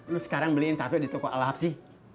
lu sekarang beliin satu di toko al habsi